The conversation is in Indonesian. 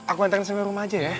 aku hantarkan sampe rumah aja ya